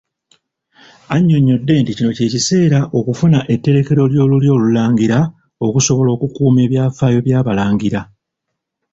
Anyonnyodde nti kino kye kiseera okufuna etterekero ly'olulyo Olulangira okusobola okukuuma ebyafaayo by'Abalangira.